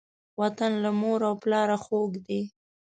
وطن له مور او پلاره خوږ دی.